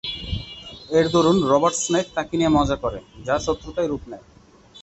এর দরুন Robert Snake তাকে নিয়ে মজা করে, যা শত্রুতায় রুপ নেয়।